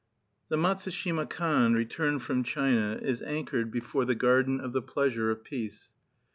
The Matsushima Kan, returned from China, is anchored before the Garden of the Pleasure of Peace.